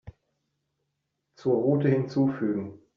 Zur Route hinzufügen.